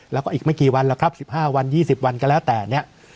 แล้วก็อีกไม่กี่วันแล้วครับ๑๕วัน๒๐วันก็แล้วแต่เนี่ย